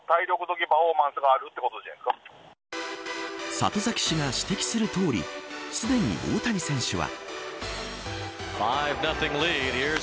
里崎氏が指摘するとおりすでに大谷選手は。